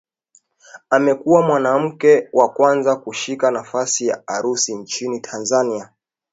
Amekuwa mwanamke wa kwanza kushika nafasi ya urais nchini Tanzania